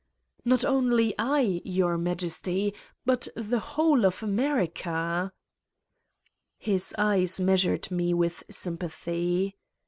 "Not only I, Your Majesty, but the whole of America. ..." His eyes measured me with sympathy.